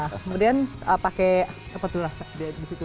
kemudian pakai apa tuh rasa di situ